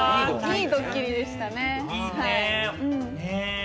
ドッキリでしたね。